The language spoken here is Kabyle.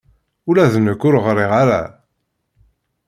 Ula d nekk ur ɣriɣ ara.